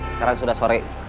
sekarang sudah sore